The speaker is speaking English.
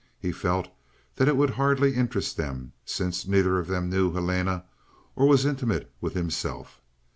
He felt that it would hardly interest them, since neither of them knew Helena or was intimate with himself.